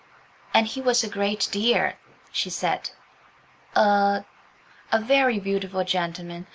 "And he was a great dear," she said. "A —?" "A very beautiful gentleman.